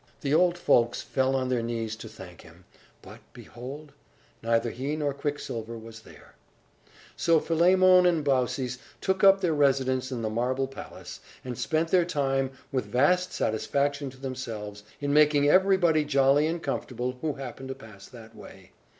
The old folks fell on their knees to thank him; but, behold! neither he nor Quicksilver was there. So Philemon and Baucis took up their residence in the marble palace, and spent their time, with vast satisfaction to themselves, in making everybody jolly and comfortable who happened to pass that way.